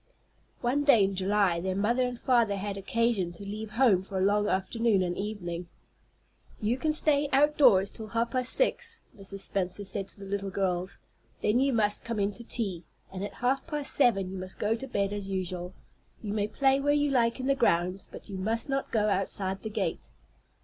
One day in July their mother and father had occasion to leave home for a long afternoon and evening. "You can stay outdoors till half past six," Mrs. Spenser said to her little girls; "then you must come in to tea, and at half past seven you must go to bed as usual. You may play where you like in the grounds, but you must not go outside the gate."